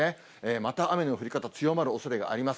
また雨の降り方、強まるおそれがあります。